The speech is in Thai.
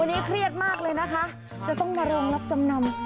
วันนี้เครียดมากเลยนะคะจะต้องมาโรงรับจำนำ